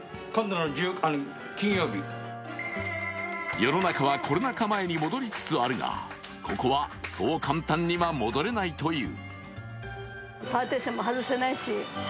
世の中はコロナ禍前に戻りつつあるが、ここはそう簡単には戻れないという。